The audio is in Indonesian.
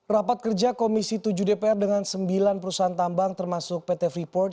rapat kerja komisi tujuh dpr dengan sembilan perusahaan tambang termasuk pt freeport